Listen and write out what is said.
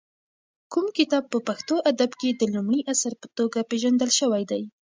کوم کتاب په پښتو ادب کې د لومړي اثر په توګه پېژندل شوی دی؟